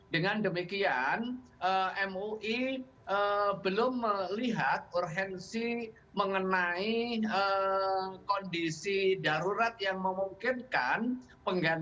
dengan demikian mui belum melihat urgensi mengenai kondisi darurat yang memungkinkan